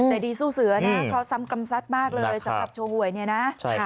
แต่ดีสู้เสือนะเพราะซ้ำกำซัดมากเลยสำหรับโชว์หวยเนี่ยนะ